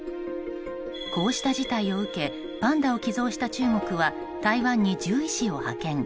こうした事態を受けパンダを寄贈した中国は台湾に獣医師を派遣。